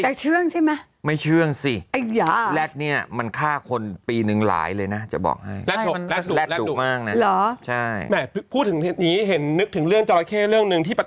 แต่เชื่องใช่ไหมไม่เชื่องสิไอ้ย่าแรดเนี้ยมันฆ่าคนปีหนึ่งหลายเลยน่ะ